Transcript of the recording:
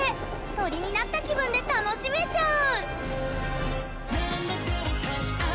鳥になった気分で楽しめちゃう！